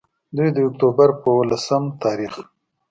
دوي د اکتوبر پۀ ولسم تاريخ